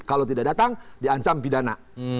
kalau tidak datang diancam pidana